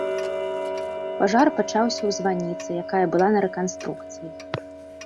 Пажар пачаўся ў званіцы, якая была на рэканструкцыі.